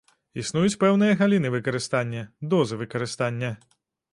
Існуюць пэўныя галіны выкарыстання, дозы выкарыстання.